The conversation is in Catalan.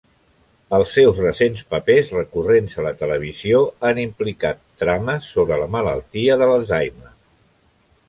Els seus recents papers recurrents a la televisió han implicat trames sobre la malaltia de l"Alzheimer.